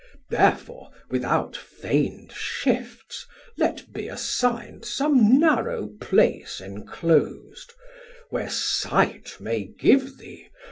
Therefore without feign'd shifts let be assign'd Some narrow place enclos'd, where sight may give thee.